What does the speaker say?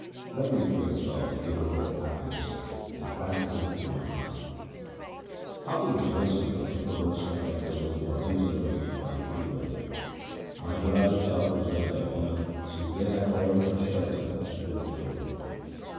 Let me praise God the Giver of all happiness and clasp Him to my heart. LIFE OF GURU AMAR DAS 149 How can the jealousy of the perverse affect those who are regenerated by the true Word ? My Beloved shall preserve their honour since they have fallen for shelter at the Guru's door.